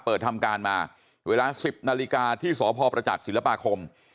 เปิดทำการมาเวลา๑๐นาฬิกาที่สพประจักษ์ศิลปาคม